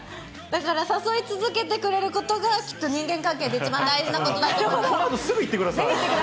だから、誘い続けてくれることが、きっと人間関係で一番大事すぐ行ってください。